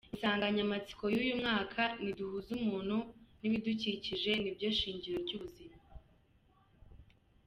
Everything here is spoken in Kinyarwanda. Insanganyamatsiko y’uyu mwaka ni: “Duhuze umuntu n’ibidukikije ni byo shingiro ry’ubuzima.